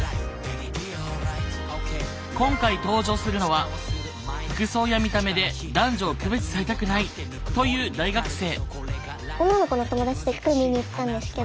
今回登場するのは服装や見た目で男女を区別されたくないという大学生。